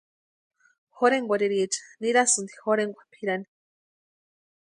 Jorhenkwarhiriecha nirasïnti jorhenkwa pʼirani.